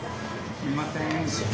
すいません。